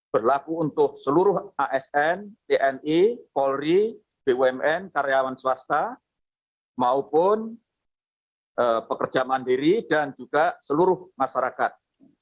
berlaku untuk seluruh asn tni polri bumn karyawan swasta maupun pekerja mandiri dan juga seluruh masyarakat